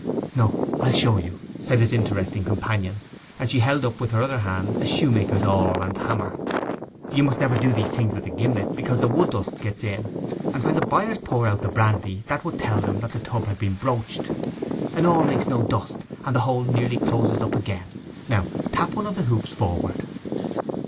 'No, I'll show you,' said his interesting companion; and she held up with her other hand a shoemaker's awl and a hammer. 'You must never do these things with a gimlet, because the wood dust gets in; and when the buyers pour out the brandy that would tell them that the tub had been broached. An awl makes no dust, and the hole nearly closes up again. Now tap one of the hoops forward.